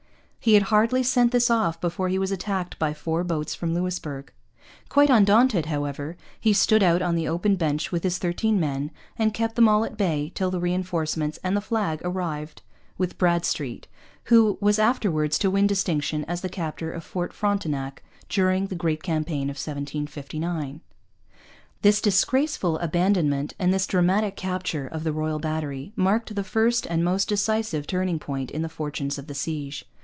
He had hardly sent this off before he was attacked by four boats from Louisbourg. Quite undaunted, however, he stood out on the open beach with his thirteen men and kept them all at bay till the reinforcement and the flag arrived with Bradstreet, who was afterwards to win distinction as the captor of Fort Frontenac during the great campaign of 1759. This disgraceful abandonment and this dramatic capture of the Royal Battery marked the first and most decisive turning point in the fortunes of the siege.